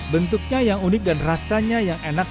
bentuknya yang unik dan rasanya yang enak